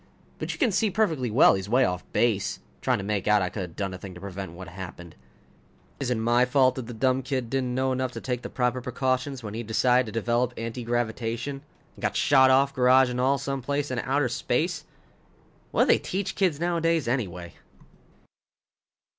But you can see perfectly well he's way off base, trying to make out I could have done a thing to prevent what happened. Is it my fault if the dumb kid didn't know enough to take the proper precautions when he decided to develop anti gravitation and got shot off, garage and all, someplace into outer space? What do they teach kids nowadays, anyway?